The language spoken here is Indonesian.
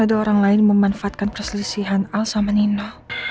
ada orang lain memanfaatkan perselisihan al sama nina